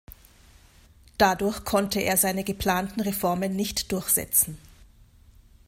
Dadurch konnte er seine geplanten Reformen nicht durchsetzen.